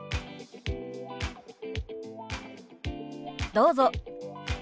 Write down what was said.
どうぞ。